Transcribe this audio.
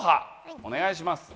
お願いします。